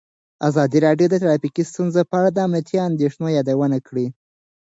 ازادي راډیو د ټرافیکي ستونزې په اړه د امنیتي اندېښنو یادونه کړې.